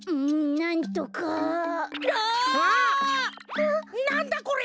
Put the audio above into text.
なんだこれ？